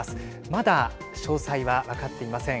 まだ詳細は分かっていません。